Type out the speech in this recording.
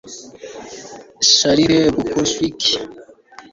charles bukowski